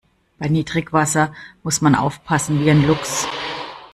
Bei Niedrigwasser muss man aufpassen wie ein Luchs.